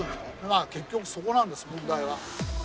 まあ結局そこなんです問題は。